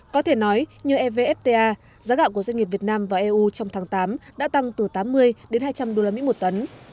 có thể nói như evfta giá gạo của doanh nghiệp việt nam và eu trong tháng tám đã tăng từ tám mươi đến hai trăm linh usd một tấn